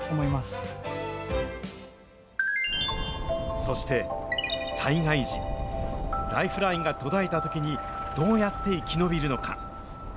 そして、災害時、ライフラインが途絶えたときに、どうやって生き延びるのか。